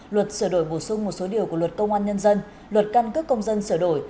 luật sửa đổi bổ sung một số điều của luật công an nhân dân luật căn cước công dân sửa đổi